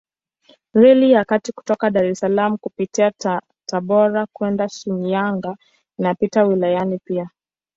Reli ya kati kutoka Dar es Salaam kupitia Tabora kwenda Shinyanga inapita wilayani pia.